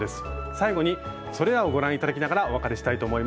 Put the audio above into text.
最後にそれらをご覧頂きながらお別れしたいと思います。